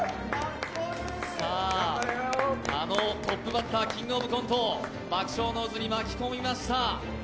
あのトップバッター、「キングオブコント」を爆笑の渦に巻き込みました。